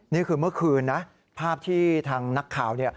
นี่คือเมื่อคืนนะภาพที่ทางนักข่าวเนี่ย